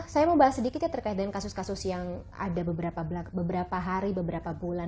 saya mau bahas sedikit ya terkait dengan kasus kasus yang ada beberapa hari beberapa bulan